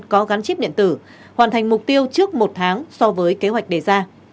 có gắn chip điện tử hoàn thành mục tiêu trước một tháng so với kế hoạch đề ra